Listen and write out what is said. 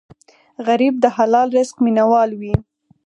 غریب د حلال رزق مینه وال وي